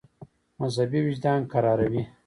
مذهبي وجدان کراروي.